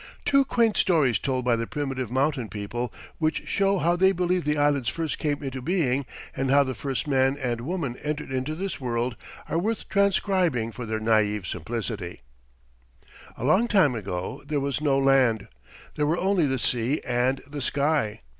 Two quaint stories told by the primitive mountain people, which show how they believe the Islands first came into being and how the first man and woman entered into this world, are worth transcribing for their naïve simplicity: "A long time ago there was no land. There were only the sea and the sky.